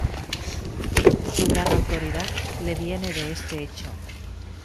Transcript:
Su gran autoridad le viene de este hecho.